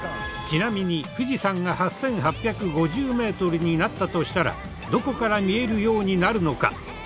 ちなみに富士山が８８５０メートルになったとしたらどこから見えるようになるのか？